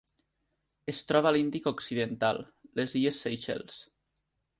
Es troba a l'Índic occidental: les illes Seychelles.